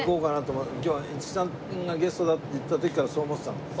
今日は五木さんがゲストだって言った時からそう思ってたんだよ。